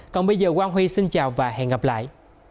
còn bây giờ quang huy xin chào và hẹn gặp lại